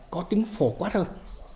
có tính phổ quát hơn